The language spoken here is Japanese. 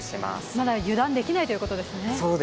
まだ油断できないということですね。